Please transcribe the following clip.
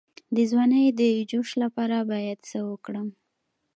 د ځوانۍ د جوش لپاره باید څه وکړم؟